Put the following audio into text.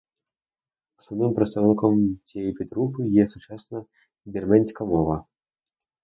Основним представником цієї підгрупи є сучасна вірменська мова.